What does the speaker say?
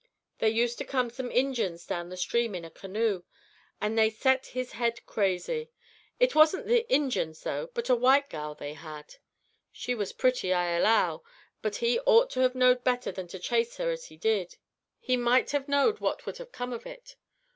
There used to come some Injins down the stream in a canoe, and they set his head crazy. It wasn't the Injins, though, but a white gal they had. She was pretty, I allow, but he ought to have knowed better than to chase her as he did; he might have knowed what would have come of it.